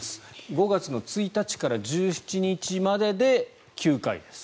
５月１日から１７日までで９回です。